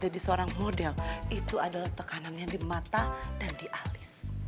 jadi seorang model itu adalah tekanannya di mata dan di alis